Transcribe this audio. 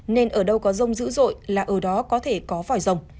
nên ở đâu có rông dữ dội là ở đó có thể có vòi rồng